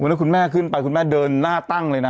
วันนี้คุณแม่ขึ้นไปคุณแม่เดินหน้าตั้งเลยนะ